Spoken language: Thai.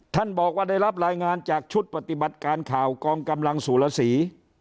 ท่านบอกว่าได้รับรายงานจากชุดปฏิบัติการข่าวกองกำลังสุรสี